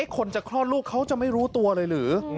คนจะคลอดลูกเขาจะไม่รู้ตัวเลยหรือ